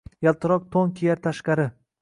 Yaltiroq toʼn kiyar tashqari.